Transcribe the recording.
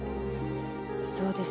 そうです。